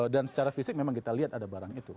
dan secara fisik memang kita lihat ada barang itu